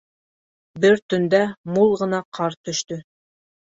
Бер төндә мул ғына ҡар төштө.